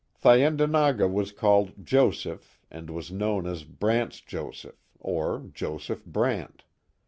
Thayendanegea was called Joseph, and was known as Brant's Joseph or Joseph Brant.